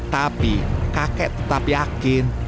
tapi kakek tetap yakin